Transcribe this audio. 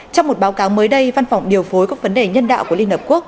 trong một báo cáo mới đây văn phòng điều phối các vấn đề nhân đạo của liên hợp quốc